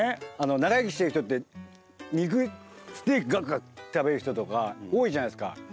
長生きしてる人って肉ステーキガツガツ食べる人とか多いじゃないですか。